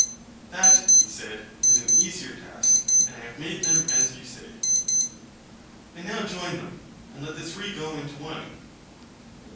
That, he said, is an easier task; and I have made them as you say. And now join them, and let the three grow into one.